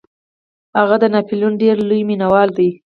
هغه د ناپلیون ډیر لوی مینوال دی.